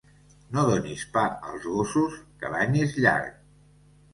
No donis pa als gossos, que l'any és llarg.